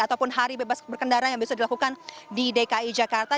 ataupun hari bebas berkendara yang bisa dilakukan di dki jakarta